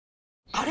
あれ？